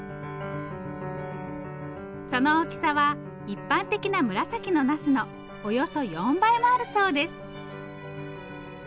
その大きさは一般的な紫のナスのおよそ４倍もあるそうです。